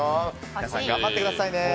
皆さん、頑張ってくださいね。